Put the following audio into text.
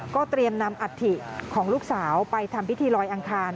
เตรียมนำอัฐิของลูกสาวไปทำพิธีลอยอังคาร